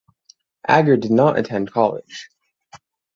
Ager did not attend college.